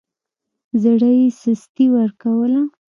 زړه يې سستي ورکوله.